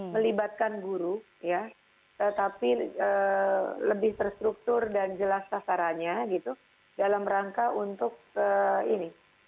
melibatkan guru ya tetapi lebih terstruktur dan jelas sasarannya gitu dalam rangka untuk ini